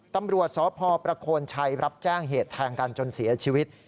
ตำรวจสพประโคนชัยรับแจ้งเหตุแทงกันจนเสียชีวิต